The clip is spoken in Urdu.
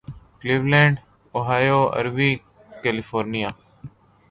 Cleveland Ohio Aruvi California